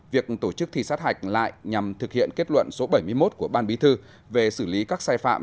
việc tổ chức thi sát hạch lại nhằm thực hiện kết luận số bảy mươi một của ban bí thư về xử lý các sai phạm